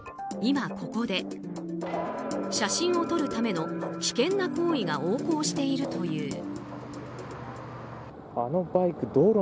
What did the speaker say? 今ここで写真を撮るための危険な行為が横行しているという。